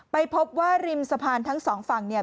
ไปพบว่าริมสะพานทั้งสองฝั่งเนี่ย